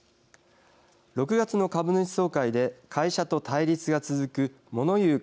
６月の株主総会で会社と対立が続くもの言う